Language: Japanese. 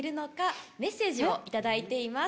メッセージを頂いています。